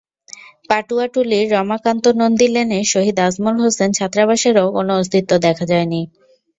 পাটুয়াটুলীর রমাকান্ত নন্দী লেনে শহীদ আজমল হোসেন ছাত্রাবাসেরও কোনো অস্তিত্ব দেখা যায়নি।